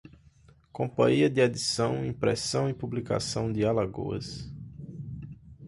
Companhia de Edição, Impressão e Publicação de Alagoas